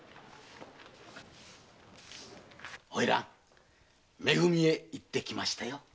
「め組」へ行ってきましたよ。